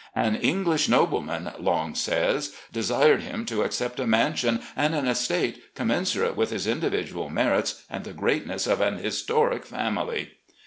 "An Ei^lish nobleman," Long says, "desired him to accept a mansion and an estate commensurate with his individual merits and the greatness of an historic family."